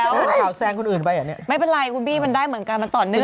เอาข่าวแซงคนอื่นไปเหรอเนี่ยไม่เป็นไรคุณบี้มันได้เหมือนกันมันต่อเนื่อง